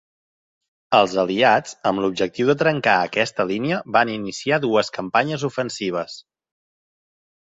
Els Aliats, amb l'objectiu de trencar aquesta línia, van iniciar dues campanyes ofensives.